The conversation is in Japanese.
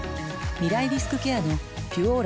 未来リスクケアの「ピュオーラ」